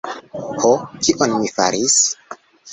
Ho, kion mi faris?